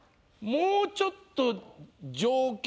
もうちょっと。